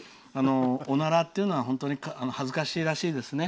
おならというのは恥ずかしいらしいですね。